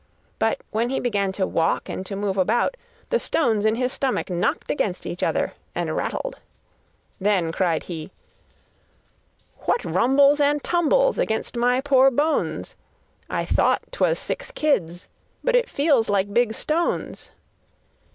But when he began to walk and to move about, the stones in his stomach knocked against each other and rattled. Then cried he: 'What rumbles and tumbles Against my poor bones? I thought 'twas six kids, But it feels like big stones.